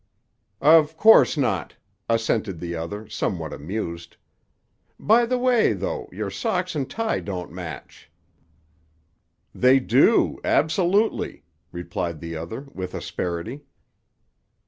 "Of course not," assented the other, somewhat amused. "By the way, though, your socks and tie don't match." "They do, absolutely," replied the other with asperity.